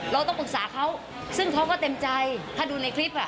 เราต้องปรึกษาเขาซึ่งเขาก็เต็มใจถ้าดูในคลิปอ่ะ